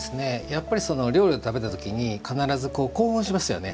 料理を食べた時に必ず興奮しますよね。